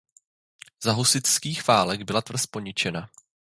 Za husitských válek byla tvrz poničena.